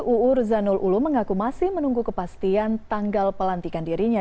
uur zanul ulum mengaku masih menunggu kepastian tanggal pelantikan dirinya